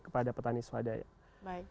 kepada petani swadaya